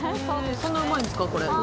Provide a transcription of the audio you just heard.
そんなうまいんすかこれ。